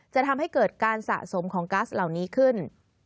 จะทำให้เกิดการสะสมของกัสเหล่านี้ขึ้น